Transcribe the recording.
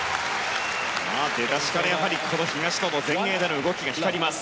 出だしからやはり東野の前衛での動きが光ります。